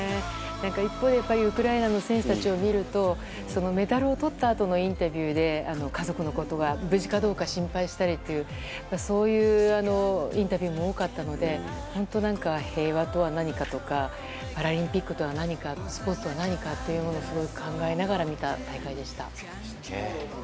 一方でウクライナの選手たちを見るとメダルをとったあとのインタビューで家族のことが無事かどうか心配したりっていうそういうインタビューも多かったので本当、平和とは何かとかパラリンピックとは何かスポーツとは何かってすごい考えながら見た大会でした。